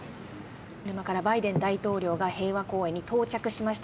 今からバイデン大統領が平和公園に到着しました。